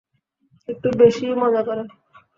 একটু বেশি-ই মজা করে।